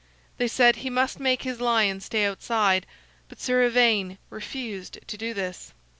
They said he must make his lion stay outside, but Sir Ivaine refused to do this.